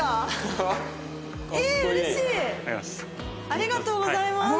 ありがとうございます。